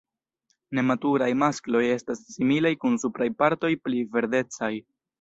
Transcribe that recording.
Nematuraj maskloj estas similaj kun supraj partoj pli verdecaj.